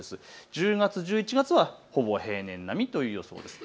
１０月、１１月はほぼ平年並みという予想です。